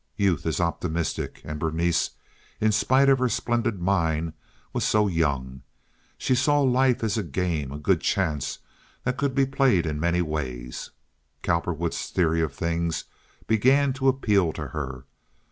Youth is optimistic, and Berenice, in spite of her splendid mind, was so young. She saw life as a game, a good chance, that could be played in many ways. Cowperwood's theory of things began to appeal to her.